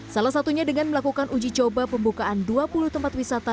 salah satunya dengan melakukan uji coba pembukaan dua puluh tempat wisata